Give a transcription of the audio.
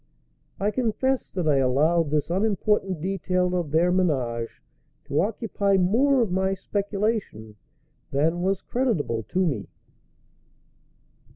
I confess that I allowed this unimportant detail of their ménage to occupy more of my speculation than was creditable to me.